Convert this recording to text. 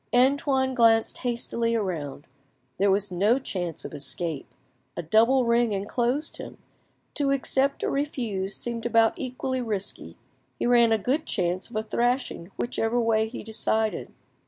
Antoine glanced hastily round; there was no chance of escape, a double ring enclosed him. To accept or refuse seemed about equally risky; he ran a good chance of a thrashing whichever way he decided.